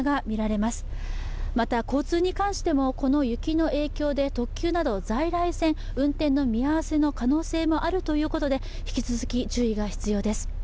また交通に関してもこの雪の影響で特急など在来線、運転の見合わせの可能性もあるということで引き続き注意が必要です。